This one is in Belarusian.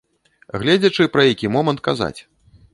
Гледзячы, пра які момант казаць.